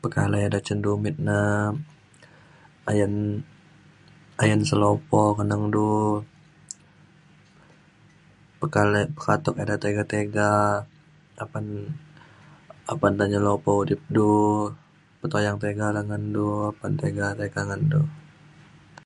pekalai ida cin dumit na ayen ayen selepo ngeneng du. pekalai pekatuk ida tiga tiga apan apan de nyelepo udip du. petuyang tiga le ngen du apan tiga tekak ngen du.